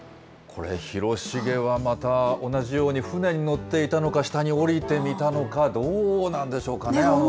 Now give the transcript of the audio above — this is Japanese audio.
これ、広重はまた、同じように船に乗っていたのか、下に降りて見たのか、どうなんでしょうかね。